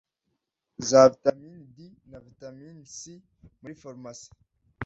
za vitamin D na calcium muri farumasi